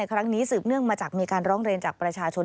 ครั้งนี้สืบเนื่องมาจากมีการร้องเรียนจากประชาชน